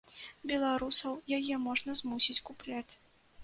Беларусаў яе можна змусіць купляць.